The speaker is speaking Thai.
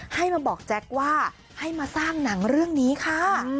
ให้มาบอกแจ๊คว่าให้มาสร้างหนังเรื่องนี้ค่ะ